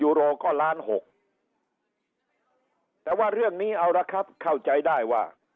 โรก็ล้านหกแต่ว่าเรื่องนี้เอาละครับเข้าใจได้ว่า